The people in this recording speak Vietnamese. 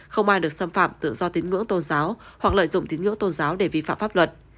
không ai được xâm phạm tự do tín ngưỡng tôn giáo hoặc lợi dụng tín ngưỡng tôn giáo để vi phạm pháp luật